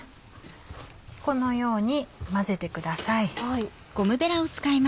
このように混ぜてください。